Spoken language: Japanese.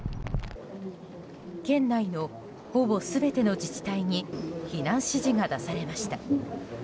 県内のほぼ全ての自治体に避難指示が出されました。